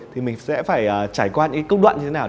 thì mình sẽ phải trải qua những cái cốc đoạn như thế nào